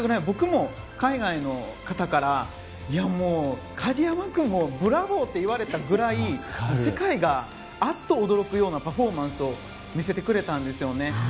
僕も海外の方から、鍵山君をブラボー！と言われたくらい世界があっと驚くようなパフォーマンスを見せてくれたんですよね。